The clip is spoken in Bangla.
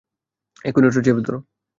এক্ষুণি ওটা চেপে ধরো।